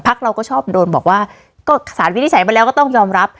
เราก็ชอบโดนบอกว่าก็สารวินิจฉัยมาแล้วก็ต้องยอมรับ